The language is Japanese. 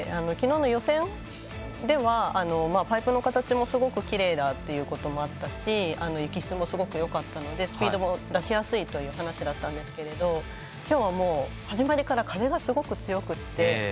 昨日の予選ではパイプの形もすごくきれいということもあって雪質もすごくよかったのでスピードも出しやすいという話だったんですけど今日は始まりから風がすごく強くて。